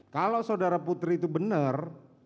kalau saudara putri itu benar